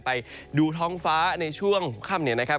ไปดูท้องฟ้าในช่วงค่ำเนี่ยนะครับ